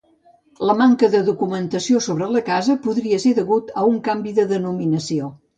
La manca de documentació sobre la casa, podria ser degut a un canvi de denominació.